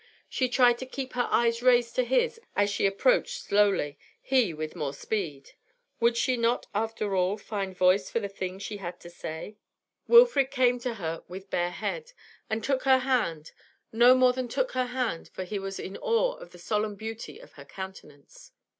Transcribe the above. She tried to keep her eyes raised to his as she approached slowly, he with more speed. Would she not after all find voice for the things she had to say? Wilfrid came to her with bare head, and took her hand; no more than took her hand, for he was in awe of the solemn beauty of her countenance.